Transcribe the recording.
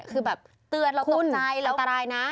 คือแบบเตือนเราตกใจเราตายนะ